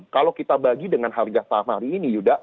kalau kita bagi dengan harga saham hari ini yuda